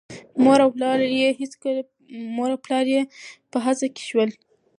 مور او پلار یې په هڅه کې شول.